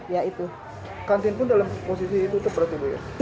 kantin pun dalam posisi tutup berarti